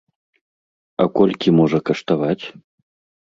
А колькі можа каштаваць?